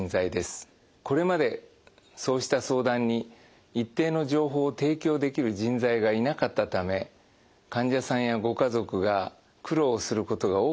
これまでそうした相談に一定の情報を提供できる人材がいなかったため患者さんやご家族が苦労をすることが多かったと聞いています。